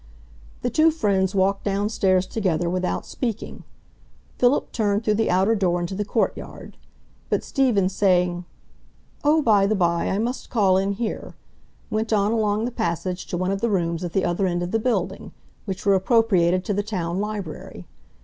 The two friends walked downstairs together without speaking. Philip turned through the outer door into the court yard; but Stephen, saying, "Oh, by the by, I must call in here," went on along the passage to one of the rooms at the other end of the building, which were appropriated to the town library.